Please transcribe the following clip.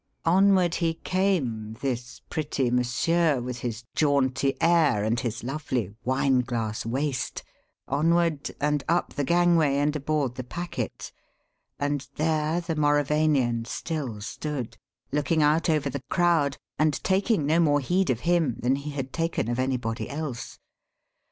Onward he came, this pretty monsieur, with his jaunty air and his lovely "wine glass waist," onward, and up the gangway and aboard the packet; and there the Mauravanian still stood, looking out over the crowd and taking no more heed of him than he had taken of anybody else.